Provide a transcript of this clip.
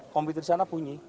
komputer di sana bunyi